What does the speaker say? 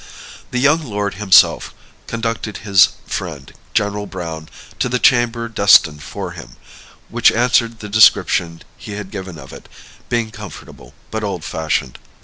The young lord himself conducted his friend, General Browne, to the chamber destined for him, which answered the description he had given of it, being comfortable, but old fashioned.